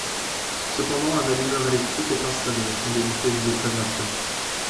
Cependant un allumeur électrique est installé afin d'éviter une déflagration.